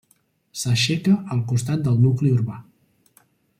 S'aixeca al costat del nucli urbà.